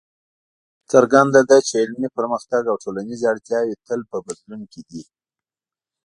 څرګنده ده چې علمي پرمختګ او ټولنیزې اړتیاوې تل په بدلون کې دي.